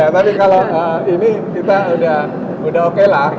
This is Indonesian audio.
tapi kalau ini kita sudah oke lah